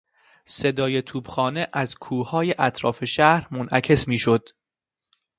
صدای توپخانه از کوههای اطراف شهر منعکس میشد.